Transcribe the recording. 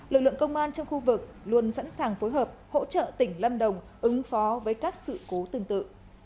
lực lượng công an trong khu vực luôn sẵn sàng phối hợp hỗ trợ tỉnh lâm đồng ứng phó với các sự cố tương tự